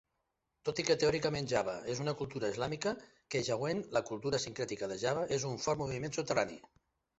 Tot i que teòricament Java és una cultura islàmica, "kejawen", la cultura sincrètica de Java, és un fort moviment subterrani.